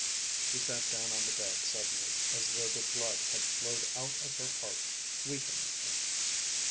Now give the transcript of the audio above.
She sat down on the bed suddenly, as though the blood had flowed out of her heart, weakening her.